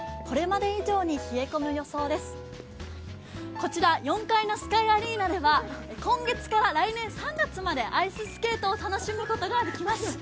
こちら、４階のスカイアリーナでは今月から来年３月までアイススケートを楽しむことができます。